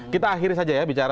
kita akhiri saja ya bicara